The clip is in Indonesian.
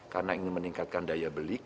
karena ingin meningkatkan daya beli